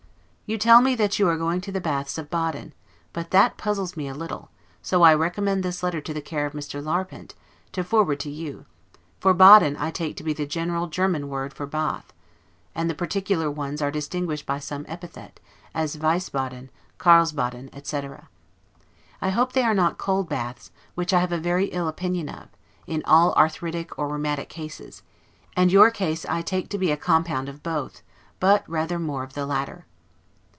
You tell me that you are going to the baths of BADEN; but that puzzles me a little, so I recommend this letter to the care of Mr. Larpent, to forward to you; for Baden I take to be the general German word for baths, and the particular ones are distinguished by some epithet, as Weissbaden, Carlsbaden, etc. I hope they are not cold baths, which I have a very ill opinion of, in all arthritic or rheumatic cases; and your case I take to be a compound of both, but rather more of the latter.